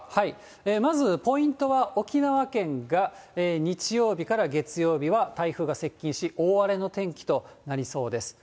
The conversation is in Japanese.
まず、ポイントは沖縄県が日曜日から月曜日は台風が接近し、大荒れの天気となりそうです。